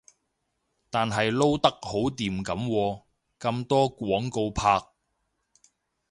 但係撈得好掂噉喎，咁多廣告拍